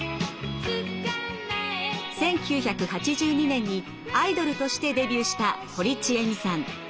１９８２年にアイドルとしてデビューした堀ちえみさん。